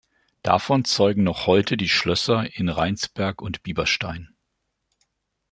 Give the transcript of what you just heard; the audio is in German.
Davon zeugen noch heute die Schlösser in Reinsberg und Bieberstein.